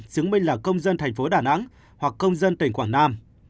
chứng minh là công dân thành phố đà nẵng hoặc công dân tỉnh quảng nam